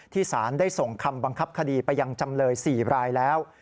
สารได้ส่งคำบังคับคดีไปยังจำเลย๔รายแล้ว